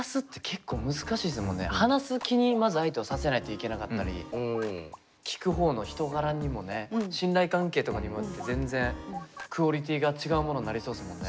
話す気にまず相手をさせないといけなかったり聞く方の人柄にもね信頼関係とかにもよって全然クオリティーが違うものになりそうですもんね。